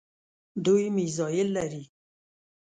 دوی میزایل لري.